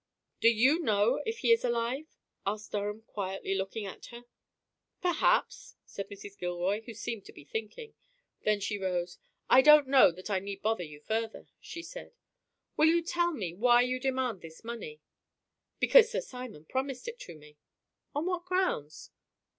"Do you know if he is alive?" asked Durham, quietly looking at her. "Perhaps," said Mrs. Gilroy, who seemed to be thinking. Then she rose. "I don't know that I need bother you further," she said. "Will you tell me why you demand this money?" "Because Sir Simon promised it to me." "On what grounds."